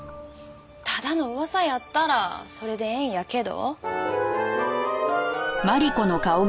ただの噂やったらそれでええんやけど。